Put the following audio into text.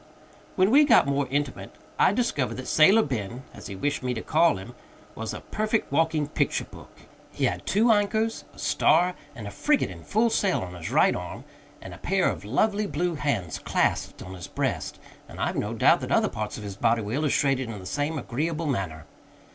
When we got more intimate, I discovered that Sailor Ben, as he wished me to call him, was a perfect walking picturebook. He had two anchors, a star, and a frigate in full sail on his right arm; a pair of lovely blue hands clasped on his breast, and I've no doubt that other parts of his body were illustrated in the same agreeable manner.